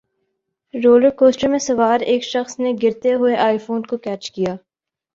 roller کوسٹرمیں سوار ایک شخص نے گرتے ہوئے آئی فون کو کیچ کیا